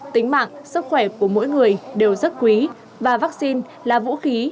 tính mạng sức khỏe của mỗi người đều rất quý và vaccine là vũ khí